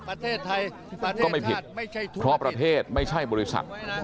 ประเทศไทยก็ไม่ผิดเพราะประเทศไม่ใช่บริษัท